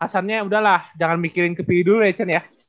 asalnya udahlah jangan mikirin kepilih dulu ya cen ya